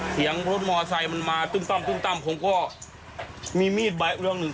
สียังรถมอไซส์มันมาตึ้มตั้มตึ้มตั้มมีมีดบาร์คเรื่องหนึ่ง